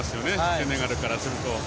セネガルからすると。